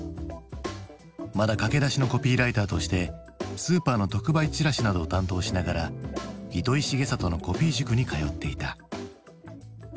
まだ駆け出しのコピーライターとしてスーパーの特売チラシなどを担当しながら糸井重里のコピー塾に通っていた。